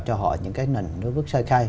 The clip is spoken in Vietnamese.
cho họ những cái nền nước nước sơ khai